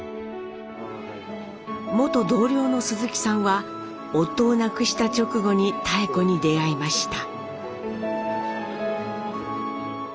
元同僚の鈴木さんは夫を亡くした直後に妙子に出会いました。